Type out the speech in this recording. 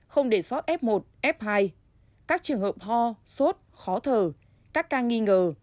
không để sót f một f hai các trường hợp ho sốt khó thở các ca nghi ngờ